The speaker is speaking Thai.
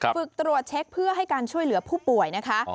ฝึกตรวจเช็คเพื่อให้การช่วยเหลือผู้ป่วยนะคะ